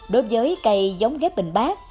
đối với cây giống ghép bình bát